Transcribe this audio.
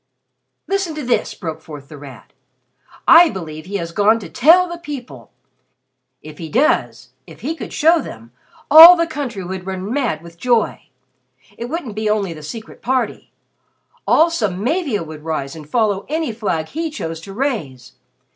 "Listen to this!" broke forth The Rat. "I believe he has gone to tell the people. If he does if he could show them all the country would run mad with joy. It wouldn't be only the Secret Party. All Samavia would rise and follow any flag he chose to raise.